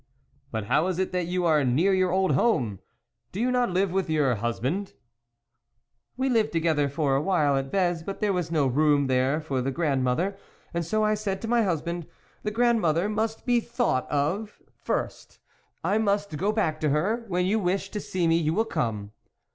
"But how is it that you are near your old home ? do you not live with your hus band ?"" We lived together for a while at Vez, but there was no room there for the grand mother; and so I said to my husband, 'the grandmother must be thought of first ; I must go back to her ; when you wish to see me you will come.